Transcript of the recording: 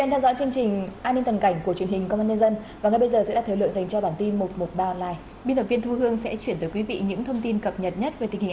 hãy đăng ký kênh để ủng hộ kênh của chúng mình nhé